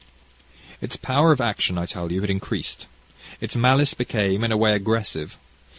"Its power of action, I tell you, had increased. Its malice became, in a way, aggressive.